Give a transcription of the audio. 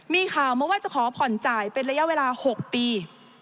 มีข่าวมาว่าจะขอผ่อนจ่ายเป็นระยะเวลา๖ปี